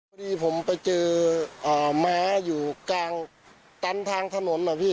พอดีผมไปเจอม้าอยู่กลางตันทางถนนนะพี่